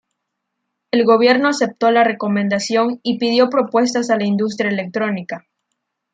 El gobierno aceptó la recomendación y pidió propuestas a la industria electrónica.